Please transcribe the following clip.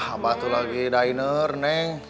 abah tuh lagi diner neng